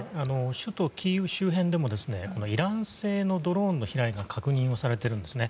首都キーウ周辺でもイラン製のドローンの飛来が確認をされているんですね。